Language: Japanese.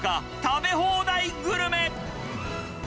食べ放題グルメ。